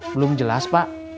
belum jelas pak